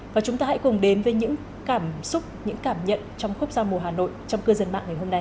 và chúng ta hãy cùng đến với những cảm xúc những cảm nhận trong khúc giao mùa hà nội trong cư dân mạng ngày hôm nay